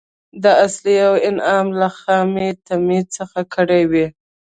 د صلې او انعام له خامي طمعي څخه کړي وي.